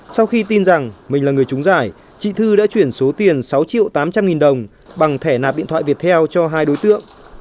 sau khi tin rằng mình là người chúng giải chị thư đã chuyển số tiền sáu triệu tám trăm linh nghìn đồng bằng thẻ nạp điện thoại viettel cho hai đối tượng